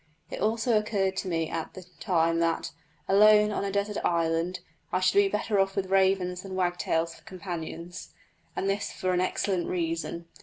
It also occurred to me at the time that, alone on a desert island, I should be better off with ravens than wagtails for companions; and this for an excellent reason.